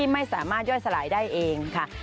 ไม่สามารถย่อยสลายได้เองค่ะ